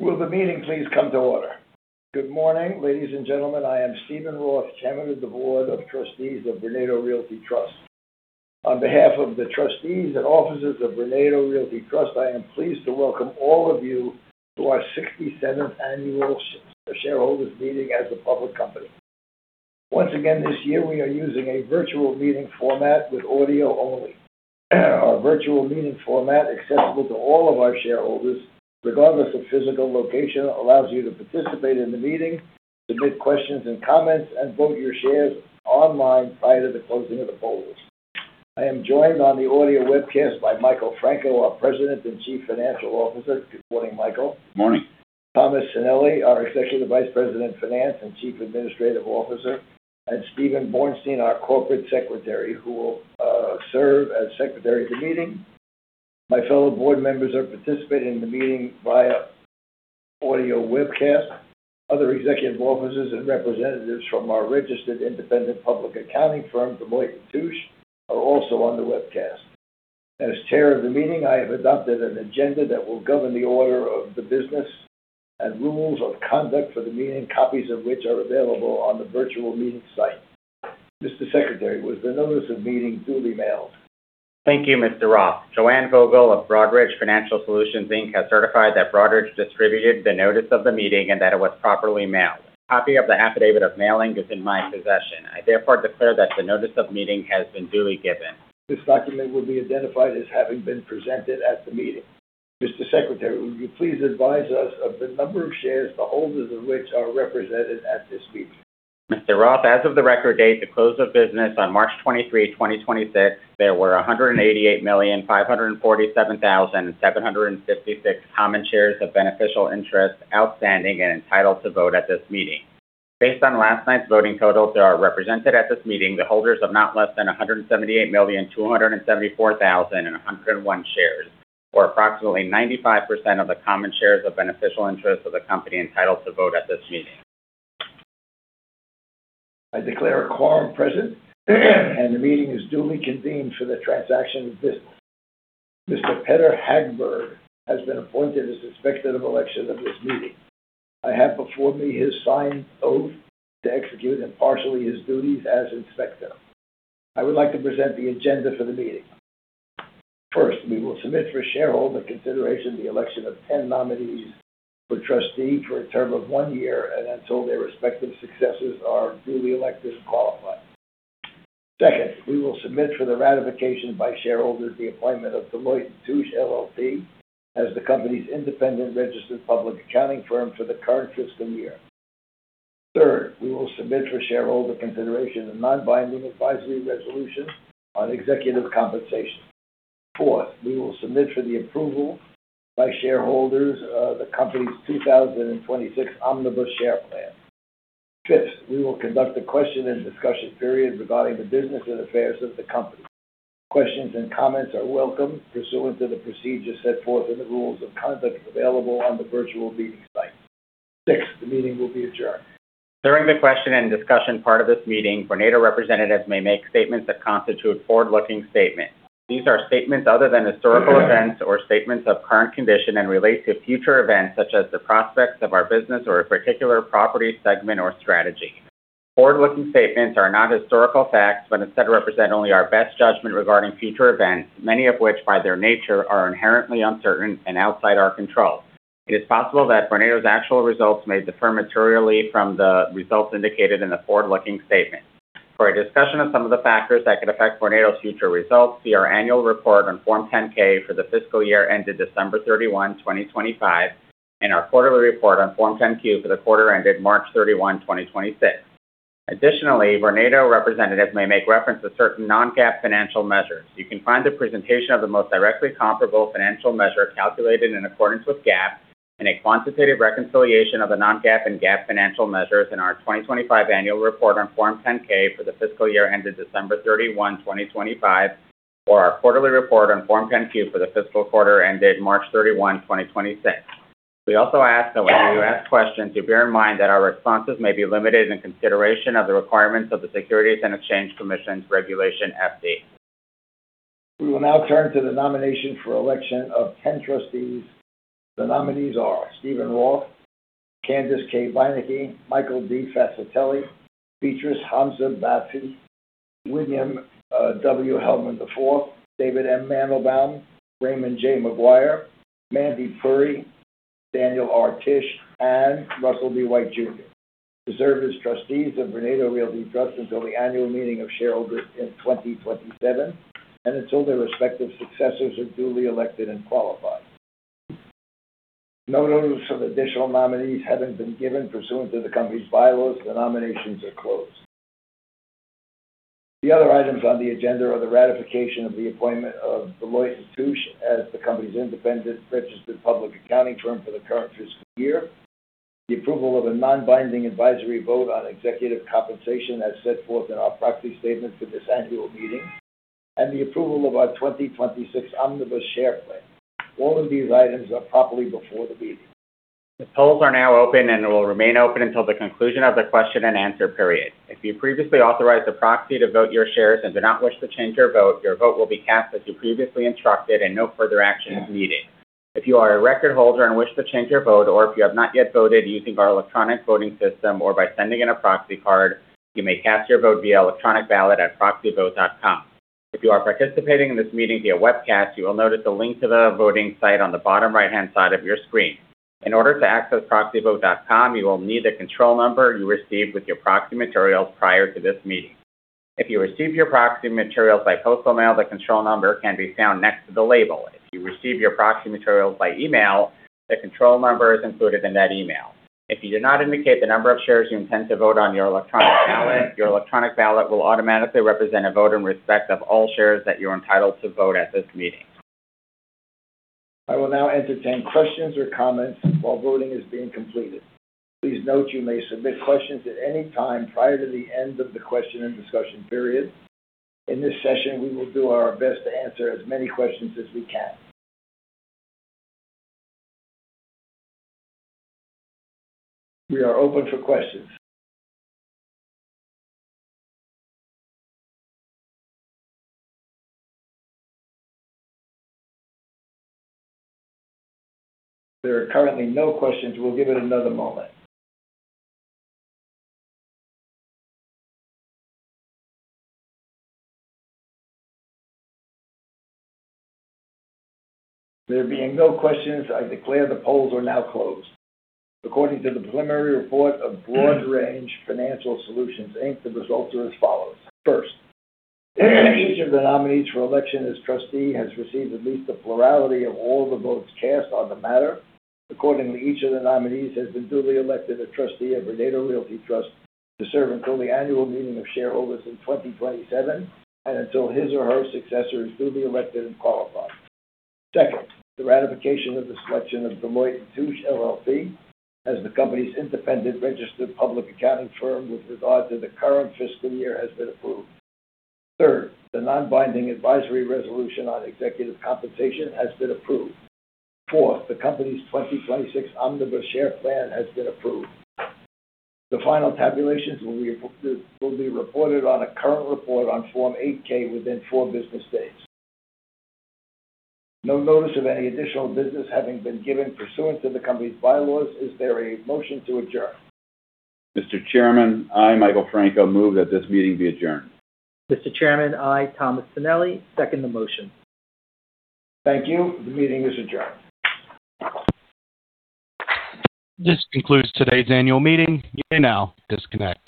Good morning, ladies and gentlemen. I am Steven Roth, Chairman of the Board of Trustees of Vornado Realty Trust. On behalf of the trustees and officers of Vornado Realty Trust, I am pleased to welcome all of you to our 67th annual shareholders' meeting as a public company. Once again, this year, we are using a virtual meeting format with audio only. Our virtual meeting format, accessible to all of our shareholders, regardless of physical location, allows you to participate in the meeting, submit questions and comments, and vote your shares online prior to the closing of the polls. I am joined on the audio webcast by Michael Franco, our President and Chief Financial Officer. Good morning, Michael. Morning. Thomas Sanelli, our Executive Vice President of Finance and Chief Administrative Officer, and Steven Borenstein, our Corporate Secretary, who will serve as secretary of the meeting. My fellow board members are participating in the meeting via audio webcast. Other executive officers and representatives from our registered independent public accounting firm, Deloitte & Touche, are also on the webcast. As chair of the meeting, I have adopted an agenda that will govern the order of the business and rules of conduct for the meeting, copies of which are available on the virtual meeting site. Mr. Secretary, was the notice of meeting duly mailed? Thank you, Mr. Roth. Joanne Vogel of Broadridge Financial Solutions Inc. has certified that Broadridge distributed the notice of the meeting and that it was properly mailed. Copy of the affidavit of mailing is in my possession. I therefore declare that the notice of meeting has been duly given. This document will be identified as having been presented at the meeting. Mr. Secretary, would you please advise us of the number of shares, the holders of which are represented at this meeting? Mr. Roth, as of the record date, the close of business on March 23rd, 2026, there were 188,547,756 common shares of beneficial interest outstanding and entitled to vote at this meeting. Based on last night's voting totals that are represented at this meeting, the holders of not less than 178,274,101 shares, or approximately 95% of the common shares of beneficial interest of the company entitled to vote at this meeting. I declare a quorum present, and the meeting is duly convened for the transaction of business. Mr. Peder Hagberg has been appointed as Inspector of Election of this meeting. I have before me his signed oath to execute impartially his duties as Inspector. I would like to present the agenda for the meeting. First, we will submit for shareholder consideration the election of 10 nominees for trustee for a term of one year and until their respective successors are duly elected and qualified. Second, we will submit for the ratification by shareholders the appointment of Deloitte & Touche LLP as the company's independent registered public accounting firm for the current fiscal year. Third, we will submit for shareholder consideration a non-binding advisory resolution on executive compensation. Fourth, we will submit for the approval by shareholders of the company's 2026 Omnibus Share Plan. Fifth, we will conduct a question and discussion period regarding the business and affairs of the company. Questions and comments are welcome pursuant to the procedures set forth in the rules of conduct available on the virtual meeting site. Sixth, the meeting will be adjourned. During the question and discussion part of this meeting, Vornado representatives may make statements that constitute forward-looking statements. These are statements other than historical events or statements of current condition and relate to future events such as the prospects of our business or a particular property segment or strategy. Forward-looking statements are not historical facts, but instead represent only our best judgment regarding future events, many of which, by their nature, are inherently uncertain and outside our control. It is possible that Vornado's actual results may differ materially from the results indicated in the forward-looking statements. For a discussion of some of the factors that could affect Vornado's future results, see our annual report on Form 10-K for the fiscal year ended December 31st, 2025, and our quarterly report on Form 10-Q for the quarter ended March 31, 2026. Additionally, Vornado representatives may make reference to certain non-GAAP financial measures. You can find a presentation of the most directly comparable financial measure calculated in accordance with GAAP and a quantitative reconciliation of the non-GAAP and GAAP financial measures in our 2025 annual report on Form 10-K for the fiscal year ended December 31st, 2025, or our quarterly report on Form 10-Q for the fiscal quarter ended March 31st, 2026. We also ask that when you ask questions, you bear in mind that our responses may be limited in consideration of the requirements of the Securities and Exchange Commission's Regulation FD. We will now turn to the nomination for election of 10 trustees. The nominees are Steven Roth, Candace K. Beinecke, Michael D. Fascitelli, Beatrice Hamza Bassey, William W. Helman IV, David Mandelbaum, Raymond J. McGuire, Mandakini Puri, Daniel R. Tisch, and Russell B. Wight, Jr., to serve as trustees of Vornado Realty Trust until the annual meeting of shareholders in 2027 and until their respective successors are duly elected and qualified. No notice of additional nominees having been given pursuant to the company's bylaws, the nominations are closed. The other items on the agenda are the ratification of the appointment of Deloitte & Touche as the company's independent registered public accounting firm for the current fiscal year, the approval of a non-binding advisory vote on executive compensation as set forth in our proxy statement for this annual meeting, and the approval of our 2026 Omnibus Share Plan. All of these items are properly before the meeting. The polls are now open and will remain open until the conclusion of the question and answer period. If you previously authorized a proxy to vote your shares and do not wish to change your vote, your vote will be cast as you previously instructed and no further action is needed. If you are a record holder and wish to change your vote, or if you have not yet voted using our electronic voting system or by sending in a proxy card, you may cast your vote via electronic ballot at proxyvote.com. If you are participating in this meeting via webcast, you will notice a link to the voting site on the bottom right-hand side of your screen. In order to access proxyvote.com, you will need the control number you received with your proxy materials prior to this meeting. If you received your proxy materials by postal mail, the control number can be found next to the label. If you received your proxy materials by email, the control number is included in that email. If you do not indicate the number of shares you intend to vote on your electronic ballot, your electronic ballot will automatically represent a vote in respect of all shares that you're entitled to vote at this meeting. I will now entertain questions or comments while voting is being completed. Please note you may submit questions at any time prior to the end of the question and discussion period. In this session, we will do our best to answer as many questions as we can. We are open for questions. There are currently no questions. We'll give it another moment. There being no questions, I declare the polls are now closed. According to the preliminary report of Broadridge Financial Solutions, Inc., the results are as follows. Each of the nominees for election as trustee has received at least a plurality of all the votes cast on the matter. Each of the nominees has been duly elected a trustee of Vornado Realty Trust to serve until the annual meeting of shareholders in 2027, and until his or her successor is duly elected and qualified. Second, the ratification of the selection of Deloitte & Touche LLP as the company's independent registered public accounting firm with regard to the current fiscal year has been approved. Third, the non-binding advisory resolution on executive compensation has been approved. Fourth, the company's 2026 Omnibus Share Plan has been approved. The final tabulations will be reported on a current report on Form 8-K within four business days. No notice of any additional business having been given pursuant to the company's bylaws. Is there a motion to adjourn? Mr. Chairman, I, Michael Franco, move that this meeting be adjourned. Mr. Chairman, I, Thomas Sanelli, second the motion. Thank you. The meeting is adjourned. This concludes today's annual meeting. You may now disconnect.